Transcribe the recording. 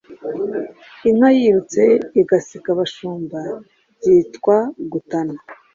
Inka yirutse igasiga abashumba byitwa Gutana